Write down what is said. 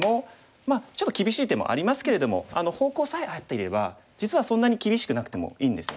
まあちょっと厳しい手もありますけれども方向さえ合っていれば実はそんなに厳しくなくてもいいんですよね。